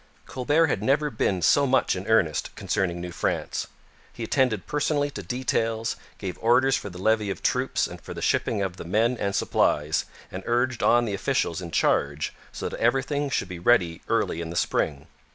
Colbert had never been so much in earnest concerning New France. He attended personally to details, gave orders for the levy of troops and for the shipping of the men and supplies, and urged on the officials in charge so that everything should be ready early in the spring.